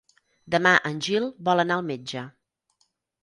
Demà en Gil vol anar al metge.